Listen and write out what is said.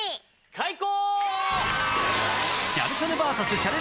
開講！